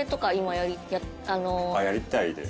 あっやりたいです。